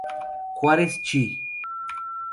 Juárez Chih.